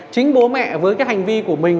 chính bố mẹ với hành vi của mình